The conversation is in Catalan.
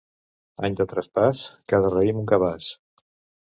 Any de traspàs, cada raïm un cabàs.